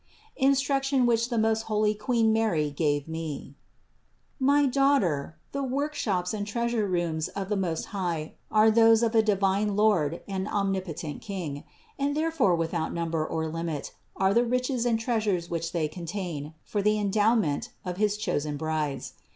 INSTRUCTION WHICH THE MOST HOLY QUEEN MARY GAVE ME. 84. My daughter, the work shops and treasure rooms of the Most High are those of a divine Lord and omnip otent King, and therefore without number or limit are the riches and treasures which they contain for the en dowment of his chosen brides.